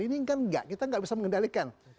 ini kan enggak kita nggak bisa mengendalikan